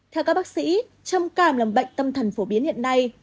theo các bác sĩ trầm cảm là bệnh tâm thần phổ biến hiện nay